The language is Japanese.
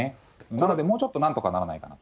なのでもうちょっとなんとかならないかなと。